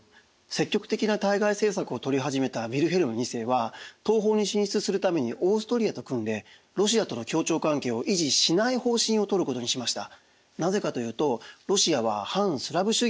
積極的な対外政策をとり始めたヴィルヘルム２世は東方に進出するためにオーストリアと組んでロシアとの協調関係を維持しない方針をとることにしました。